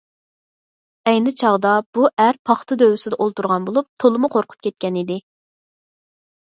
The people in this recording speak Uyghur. ئەينى چاغدا بۇ ئەر پاختا دۆۋىسىدە ئولتۇرغان بولۇپ، تولىمۇ قورقۇپ كەتكەنىدى.